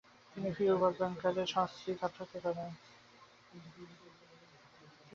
তিনি ফিউরার বাংকারে সস্ত্রীক আত্মহত্যা করেন।